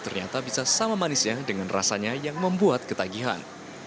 ternyata bisa sama manisnya dengan rasanya yang membuat ketagihan